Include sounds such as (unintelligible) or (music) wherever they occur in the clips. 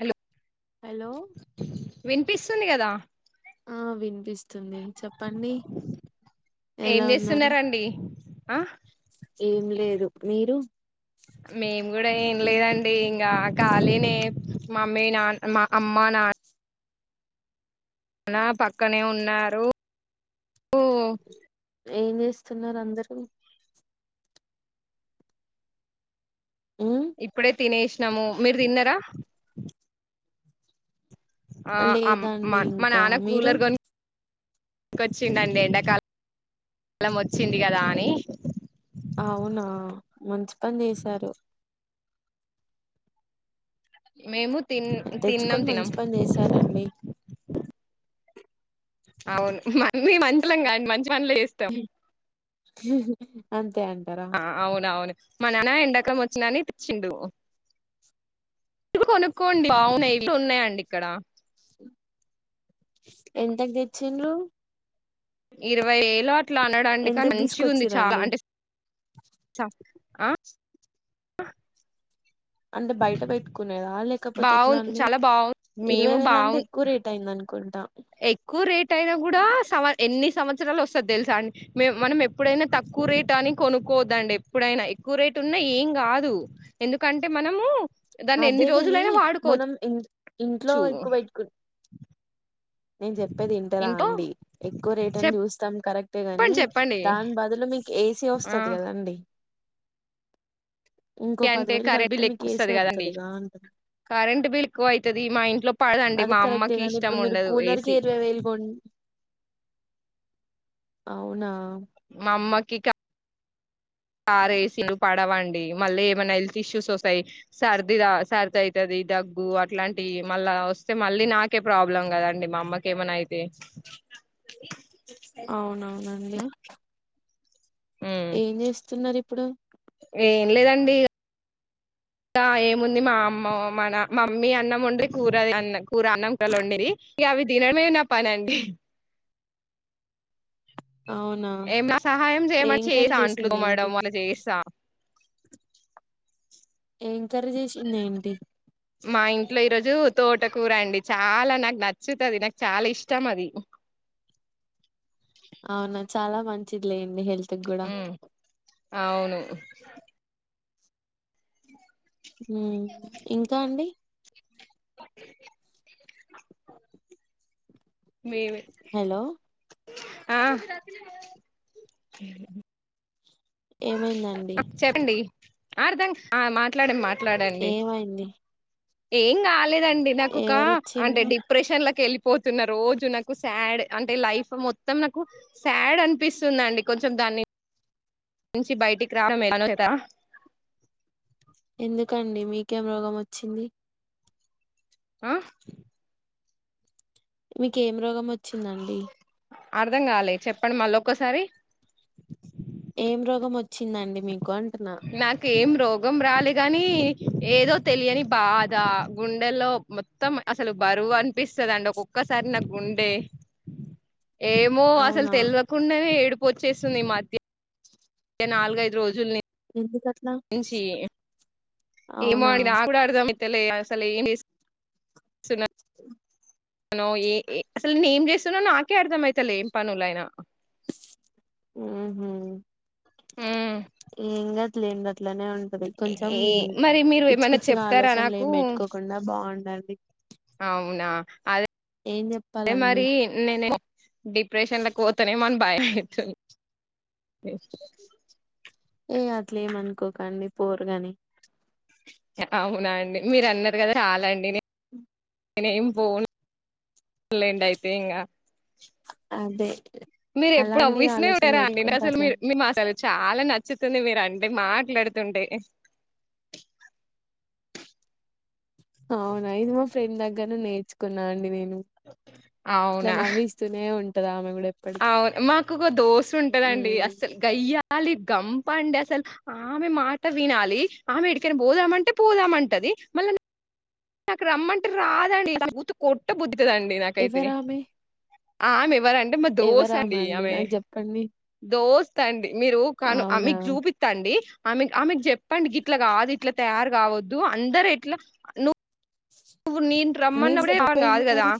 Hello hello విన్పిస్ నుంది కదా ఆ వినిపిస్తుంది చెప్పండి. ఏం ఎలా ఉన్నారు చేస్తున్నారండి అ ఏం లేదు మీరు మేము కూడా ఏం లేదండి ఇంగ ఖాళీనె మమ్మీ నాన్ మా అమ్మ నాన్న్ నాన్నా పక్కనే ఉన్నారు. ఓ ఏం చేస్తున్నారు అందరూ మ్మ్ ఇప్పుడె తినేసినము మీరు తిన్నర ఆ అమ్ మ లేదండి మా ఇంకా నాన్న మీరు కూలర్ కొనుకో కోచ్చిండండి ఎండాకాలం వచ్చింది కదా అని అవునా మంచి పని చేసారు. మేము తిన్ తిన్నం తెచ్చుకొని తిన్నం మంచి పని చేశారండి అవును మేము మనుషులం కాద్ మంచి పనులే చేస్తాం. అంత్ ఆ అవునువును మనాన ఇందాక నీ తెచ్చిండు అది కొనుక్కోండి అవునా ఇట్లున్నాయండి ఇక్కడ ఎంతక్ తెచ్చిండ్రు ఇరవై ఏలు అట్లా అన్నడండి కని ఎంతకు మంచిగుంది చాలా తీసుకొచ్చిరండి అంటె చ అ అంటే బయట పెట్టుకునేదా లేకపోతే ఎట్లా బాగుంది అండి చాలా బాగుంది మేము ఇరవై వేలంటె బాగుంది ఎక్కువ రేట్ అయింది అనుకుంటా ఎక్కువ రేట్ అయిన కూడా సవస్ ఎన్ని సంవత్సరాలు వస్తది తెలుసా అండ్ మెమ్ మనం ఎప్పుడైనా తక్క్ ఎక్కువ రేటు అని కొనుక్కోవద్దండి ఎప్పుడైనా ఎక్కువ రేటు ఉన్నా ఏం కాదు ఎందుకంటే మనము దాన్ని ఎన్ని అదేగని రోజులైనా మనం వాడుకోవచ్చు ఇం ఇంట్లో ఎక్కువ పెట్టుకుంట్ నేను చెప్పేది ఇంటరా ఇంట్లో అండి ఎక్కువ రేట్ అని చూస్తాం కరెక్టే గని చెప్పండి చెప్పండి దాని బదులు మీకు ఏసీ ఆ వస్తది కదండి. ఇంకో అంటే పదివేలు కరెంట్ కలిపితే బిల్ మీకు ఎక్కువ ఏసీ వస్తది కదండి వత్తదిగా అంట కరెంట్ బిల్ ఎక్కువైతది మా ఇంట్లో పడదండి అది మా కరెక్టే అమ్మకి గాని ఇష్టం ఇప్పుడు మీరు ఉండదు. కూలర్ కే ఏసీ ఇరవై వేలు కోన్ అవునా మా అమ్మ ఇకా కార్ వేసి పడవండి మళ్ళీ ఏమైనా హెల్త్ ఇష్యూస్ వస్తాయి సర్ది సర్ది అవుతుది దగ్గు అట్లాంటివి మళ్ళా వస్తే మళ్ళీ నాకే ప్రాబ్లం కదండి మా అమ్మకేమైనా అయితే అవునవునండి ఉమ్ ఏం చేస్తున్నారు ఇప్పుడు ఏం లేదండి ఇకా ఏముంది మా అమ్మ మన మా మమ్మీ అన్నం ఉండ్రి కూర అన్న కూర అన్నం కులు వండేది ఇక అవి తినడంమేమ నా పనండి అవునా ఏం సహాయం ఏం చేయమరి కర్రీ చేస అంట్లు చేసింది ఏంటి కొమరడం అళ చేసా ఏం కర్రీ చేసింది ఏంటి మా ఇంట్లో ఈరోజు తోటకూర అండి చాలా నాకు నచ్చుతుది నాకు చాలా ఇష్టం అది అవునా చాలా మంచిది లేం ఉ అవును స ఊ ఇంకా అండి మేమే హలో ఆ ఏమైందండి అర్దం మా మాట్లాడ మాట్లాడండి ఏమైంది ఏం కాలే ండి నాకు ఒక ఎవరు అంటే వచ్చిండ్రు డిప్రెషన్ వెళ్ళిపోతున్న రోజు నాకు శాడ్ అంటే లైఫ్ మొత్తం నాకు శాడ్ అనిపిస్తుందిండి కొంచెం దాన్ని నుంచి బయటికి రా ఎందుకండి మీకేం రోగం వచ్చింది ఆ మీకు ఏం రోగం వచ్చిందండి అర్ధం కాలే చెప్పండి మళ్ళీ ఒక్కసారి ఏం రోగం వచ్చిందండి మీకు అంటున్నా నాకు ఏం రోగం రాలేదు కాని ఏదో తెలియని బాధ గుండెల్లో మొత్తం అసలు బరువు అం ఒప్పిస్తుంది అండి ఒక్కసారి నాకి గుండె ఏమో అసలు అవునా తెలివకుండా ఏడుప్ వచ్చేస్తుంది మధ్య నాలుగైదు రోజులు నుం ఎందుక నుంచి ఏమో అవునా అని ఆ కూడా అడుదాం. అసలు ఇ (inaudible) అనో ఏ అసలు నే ఏం చేస్తున్నా, నాకే అర్థమ అవుతలే ఏం పనులయినా. ఆహ ఆ ఇంగద్లేంద అట్లనే ఉంటది. కొంచెం ఏ మరి మీరు పిచ్చి ఏమైనా పిచ్చిగా చెప్తారా ఆలోచనలు నాకు ఏమి పెట్టుకోకుండా బాగుండాలి. (inaudible) అవునా అదే అ చెప్పాలండి మరి నేనే డిప్రెషన్ లో కోతనే మం భయతు ఏ అట్లే ఏమనుకోకండి పోరుగాని అవునా అండి. మీరు అన్నారు కదా రాలండి నేను. (inaudible) నేను ఏం పోలేం అయితే ఇంకా అదే మీరు ఎప్పుడు అలాంటి ఆలోచనలు నవ్విస్తారండి. నేను పెట్టుకుంటే అసలు అట్లా మీ మే అసలు చాలా నచ్చు వస్తుంది మీరు అంటే మాట్లాడుతుంటే అవునా ఇది మా ఫ్రెండ్ దగ్గర నేర్చుకున్న న్నా అండి నేను ఇట్లా అవునా నవ్విస్తూనే ఉంటా. (unintelligible) అవును మాకు ఒక దోశ ఉంటదండి. మ్మ్ అస్సలు గయ్య గయ్యాళి గంప అండి అసలు. ఆమె మాట వినాలి, ఆమె ఎడికైనా పోదామంటే పోదామంటది. మళ్ళా నాకు రమ్మంటే రాదండి నా కొట్ట బుద్ధ ఇతుదండి నాకైతే ఎవరామె ఆమె ఎవర అంటే మా దోస ఎవరామె అండి ఆమె నాకు చెప్పండి దోస్త్ అండి మీరు కాను అవునా ఆమీకు చూపిస్తండి ఆమెకు ఆమెకు చెప్పండి ఇట్లా కాదు. ఇట్లా తయారు కావద్దు. అందరు ఇట్లా ను ను నంట రమ్మ మీరు అప్పుడే ఆంగ చెప్పపోయిండ్రు అదిగదా మరి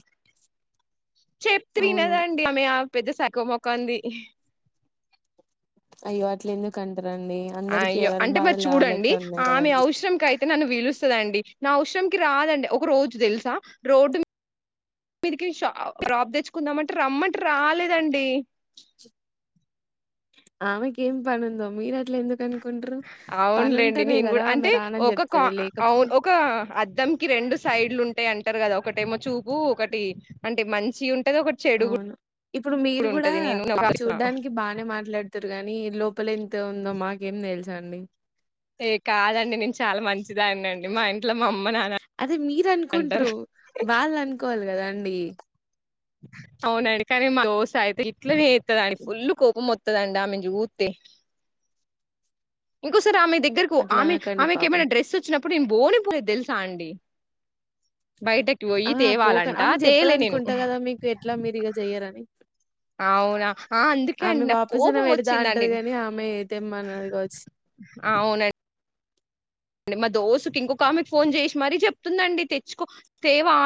అవును చెప్త్రినదండి అమెఆ పెద్ద సకువ మొక్క ఉంది. అయ్యవాట్లింద కం అయ్యో అంటే మరి చూడండి. ఉన్నాయి ఆమె కదండి అవసరం క అయితే నన్ను పిలుస్తందండి నా అవసరంకి రాదండి. ఒక రోజు తెలుసా రోడ్డు మీకి డ్రప్ తెచ్చుకుందామంటే రమ్మంటే రాలేదండి. ఆమెక ఏం పనుందోం మీయనాట్ల ఎందు అవునులేండి నేను కూడా ఆమె అంటే రానని ఒక చెప్తది లేకపోతే అవును ఒక అద్దంకి రెండు సైడ్లు ఉంటా అంటారు కదా ఒకటేమో చూపు ఒకటి అంటే మంచి ఉంటే అవును ఇప్పుడు మీరు కూడా ఉంటది. నేను చూడ్డానికి బానే మాట్లాడుతారు గానీ లోపల ఎంత ఉందో మాకేం తెల్సండి ఏ కాదండి నేను చాలా మంచిదని అనండి మా ఇ మట్ల మా అమ్మ నానా ఇ అనుకుంట్రారు వాళ్ళు అనుకోవాలి కదా అండి అవునుంక దోస్త్ అయితే ఇట్ల ఫుల్లు కోపం దం అమెనీ చూతే ఇంకోసారి అమె దగ్గరకు అట్లా ఆమె అనకండి ఆమె పాపం ఏమైనాడ్రెస్ వచ్చినా అప్పుడు బోని పో తెలు సాడడి బయటకి పోయి ఆ తేవాలంటా తేయలే నేను ఇట్లా మీరుగ చెయ్యరని అవునా ఆ అందుకే ఆమె అండి నాకు వాపసన కోపం పెడతా వచ్చిందండి అంటది కాని ఆమె తెమ్మన్నది కావచ్చు అవునండి అ మా దోస్త్కీ ఇంకొక ఆమెకు ఫోన్ చేసి మరీ చెప్తుందండి తెచ్చుకో తేవా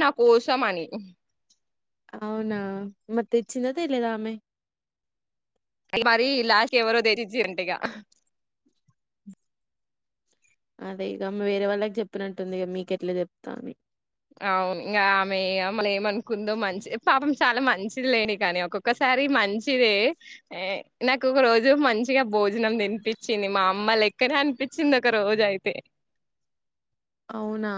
నా కోసం అని అవునా మరి తెచ్చింద తేలేదా ఆమె అ మరి లాస్ట్ ఎవరో తెచచ్చ రంటగా అదే ఇక వేరే వాళ్ళకి చెప్పినట్టుంది ఇ మీకెట్లా చెప్తా అని అవును ఇంకా ఆమె అమ్మలు ఏమనుకుందో మంచిది పాపం చాలా మంచిది లేని కానీ ఒక్కొక్కసారి మంచిదే నాకు ఒక రోజు మంచిగా భోజనం తినిపించింది మా అమ్మ లెక్కనే అనిపించింది ఒక రోజు అయితే అవునా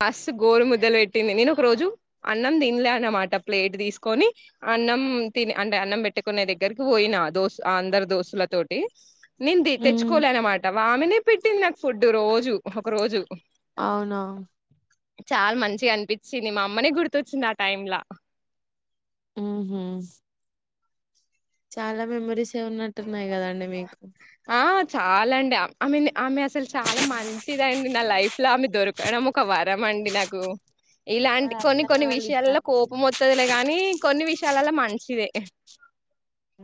ఫస్ గోరు ముద్దలు పెట్టింది నేను ఒక రోజు అన్నం తినలే అనమాట ప్లేట్ తీసుకొని అన్నం తి అంటే అన్నం పెట్టుకునే దగ్గరకి పోయినా ఆ దోస్తు అందరు దోస్తుల తటి నింది మ్మ్ తెచ్చుకోలే అనమాట వామినే పెట్టింది నాకు ఫుడ్డు రోజు ఒక రోజు అవునా చాలా మంచిగా అనిపించింది మా అమ్మనే గుర్తొచ్చింది ఆ టైమ్లా ఆ హ చాలా మెమరీస్ వే ఉన్నట్టున్నాయి కదండి మీకు ఆ చాలా అండి ఐ మీన్ ఆమె అసలు చాలా మంచిదండి నా లైఫ్ లా ఆమె దొరకడం ఒక వారం అండి నాకు ఇలాంటి మరి కొన్ని అత్తన్న కొన్ని వాళ్ళు ఇట్లా విషయాల్లో కోపం వతుదిలే కాగానీ కొన్ని విషయా చాలాల మంచిదే హ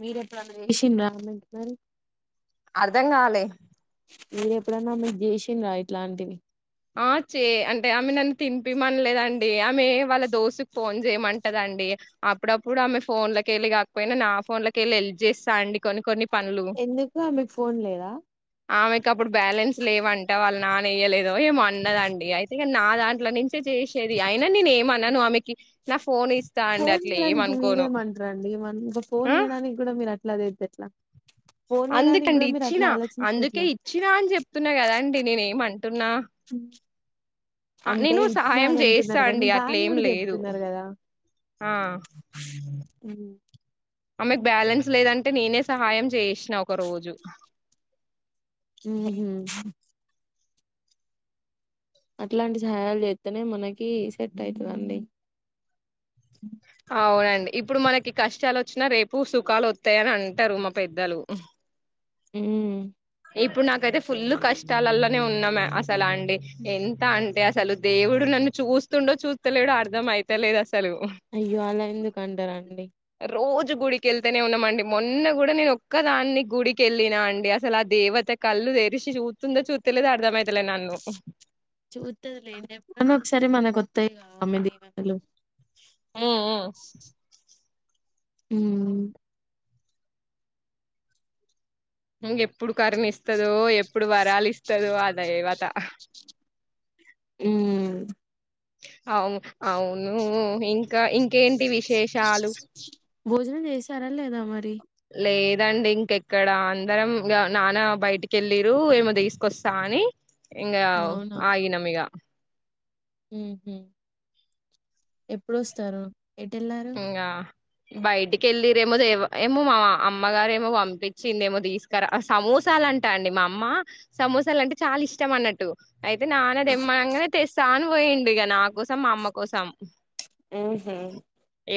మీరెప్పుడు అ చేస రా అమెంటి మరి అర్ధం కావాలి మీరు ఎప్పుడన్నా మీరు చేసిన రా ఇట్లాంటివి ఆ చే అంటే ఆమె నన్ను తినిపిమనలేదండి ఆమె వాళ్ళ దోస్తుకి ఫోన్ చేయమంటదండి అప్పుడప్పుడు ఆమె ఫోన్ లోక వెళ్ళి కాకపోయినా నా ఫోన్ లోకి వెళ్ళి హెల్ప్ చేస్తా అండి కొన్ని కొన్ని పనులు ఎందుకు ఆమెకు ఫోన్ లేదా ఆమెకప్పుడు బ్యాలెన్స్ లేవంట వ నాన ఈయలేదు ఏమో అన్నదండి అయితే నా దాంట్లో నుంచే చేసేది అయినా నేను ఏమి అనను ఆమెకి ఫోన్ ఇస్తా అండి ఫోన్ అట్లా ఇయడానికి ఏమనుకోను మీరేమంటారండి ఇక ఫోన్ ఆ ఇయడానికి కూడా మీరు ఇట్లా చేత్తే అందుకండి అట్లా ఇచ్చినా ఆలోచిస్తే అందుకే ఎట్లా ఇచ్చినా అని చెప్తున్నా కదాండి నేనేమన్ అంటున్న ఆ అంటే నేను ఇచ్చినా సహాయం అని చేస్తా అంటున్నారు కానీ అండి దాన్ని అట్లేం కూడా లేదు చెప్తున్నారు కదా ఆ ఆమెకు బ్యాలెన్స్ లేదంటే నేనే సహాయం చేసినా ఒక రోజు ఊహూ అట్లాంటి సహయాలు చేస్తేనే మనకి సెట్ అయితదండి అవునండి ఇప్పుడు మనకి కష్టాలు వచ్చినా రేపు సుఖాలు వత్తాయని అంటారు మా పెద్దలు హ్మ్ ఇప్పుడు నాకైతే ఫుల్లు కష్టాలలోనే ఉన్నాం అసలు అండి ఎంత అంటే అసలు దేవుడు నన్ను చూస్తుండో చూస్తలేడో అర్థం అయితేలేదు అస అయ్యో అలా ఎందుకు అంటారాండి గుడికెళ్తేనే ఉన్నామండి మొన్న కూడా నేను ఒక్కదాన్ని గుడికెళ్ళిన అండి అసలు అది దేవత కళ్లు తెరిసి చూత్తుందో చూత్తలేదో అర్ధంమైతలే నన్ను చూత్తది లే ఎప్పుడైనా ఒకసారి మనకొత్తాయిగా ఎనిమిది వందలు హ్మ్ ఇంక ఎప్పుడు కరుణ ఇస్తదో ఎప్పుడు వరాలు ఇస్తదో అ దేవత హ్మ్ అవును అవునూ ఇంకా ఇంకేంటి విష శేషాలు భోజనం చేసారా లేదా మరి లేదండి ఇంకెక్కడ అందరం నాన్న బయటికెళ్ళీరు ఏమో తీసుకొస్తా అని ఇంగా అవునా ఆగినం ఇగ ఎప్పుడొస్తారు ఎటెళ్లారు ఇంగా బయటికి వెళ్ళిరేమోవ ఏమో మా అమ్మగారేమో పంపించింది ఏమో తీసుకురా సమోసాలంటా అండి మా అమ్మ సమోసాలు అంటే చాలా ఇష్టం అన్నట్టు అయితే నాన్న తెమ్మనంగానే తెస్ తాను పోయిండు ఇక నా కోసం మా అమ్మ కోసం ఊహూ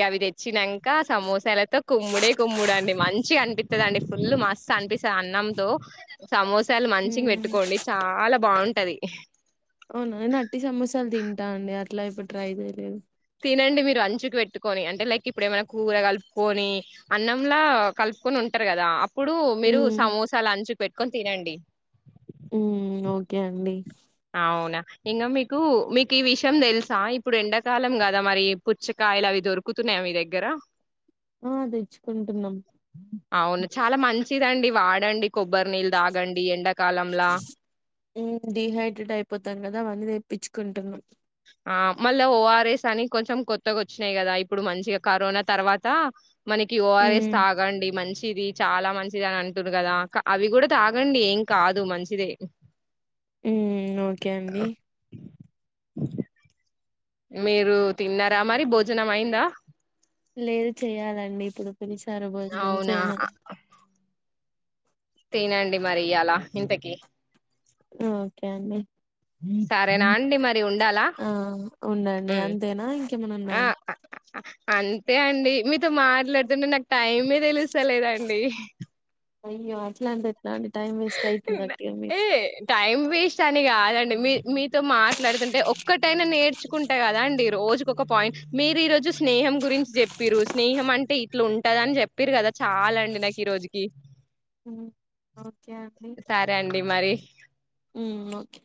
అవి తెచ్చినంక సమోసాలతో కుమ్ముడే కుమ్ముడు అండి మంచిగ అనిపిత్తదండి ఫుల్ మస్ అనిపిస్తుంది అన్నంతో సమోసా చాలలు మంచిగా ఉమ్ పెట్టుకోండి చాలా బాగుంటంది అది అవునా నేను నాట్టి సమోసలు తింటాండి. అట్లా ఎప్పుడు ట్రై చేయలేదు. తినండి మీరు అంచుకు పెట్టుకొని అంటే లైక్ ఇప్పుడు ఏమైనా కూర కలుపుకొని అన్నంలా కలుపుకొని ఉంటారు కదా అప్. ఇప్పుడు మీరు ఉమ్ సమోస. అలా అంచుకు పెట్టుకొని తినండి. ఉమ్ ఓకే అండి. అవునా ఇంకా మీకు మీకు ఈ విషయం తెలుసా ఇప్పుడు ఎండాకాలం కదా మరి పుచ్చకాయలు అవి దొరుకుతున్నాయా మీ దగ్గర. ఆహ్ తెచ్చుకుంటున్నాం. అవును చాలా మంచిదండి వాడండి. కొబ్బరి నీళ్ళు తాగండి ఎండాకాలంలా ఉమ్ డిహైడ్రేట్ అయిపోతాం కదా మల్లి. తెప్పించుకుంటున్నాం. ఆహ్ మళ్ళా ఓఆర్ఎస్ అని కొంచెం కొత్తగా వచ్చినయి కదా. ఇప్పుడు మంచిగా కరోనా తర్వాత. మనకి ఓఆర్ఎస్ ఉమ్ తాగండి మంచి. మంచిది చాలా మంచిది అని అంటుంరు కదా అవి కూడా తాగండి. ఏం కాదు మంచిదే. ఉమ్ ఓకే అండి. అఓకే మీరు తిన్నర మరి భోజనం అయిందా. లేదు చెయలండి ఇప్పుడు. మనసార భోజనం అవునా ఆ, చేయమని. తినండి మరి ఇయ్యాలా ఇంతకి. ఓకె అండి. సరేనా అండి మరి ఉండాలా ఆహ్ ఉండండి ఉమ్. అంతేనా ఇంకేమన్న ఆ ఉన్నాయా. ఆ, ఆ, అంతే అండి మీతో మాట్లాడుతుంటే నాకు. టైమే తెలుస్తలేదండి. అయ్యో అట్లా అంటే ఎట్. ఇలాంటి టైం వేస్ట్ అయితుంది అక్కయ్య మీకు. ఛా అని కాదండి. మీ మీతో మాట్లాడుతుంటే ఒక్కటైనా నేర్చుకుంట కదా అండి. రోజుకు ఒక పాయింట్ మీరు ఈ రోజు స్నేహం. గురించి చెప్పిండ్రు స్నేహం అంటే. ఇట్లు ఉంటదని చెప్పిండ్రు కదా చాలండి నాకు ఈ రోజుకి. ఓకే అండి సరే అండి మరి. ఉమ్ ఓకే.